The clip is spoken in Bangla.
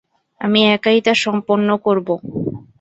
আমি একাই তা সম্পন্ন করব।